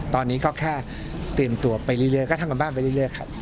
ตอนนี้ก็แค่เตรียมตัวไปเรื่อยก็ทำการบ้านไปเรื่อยครับ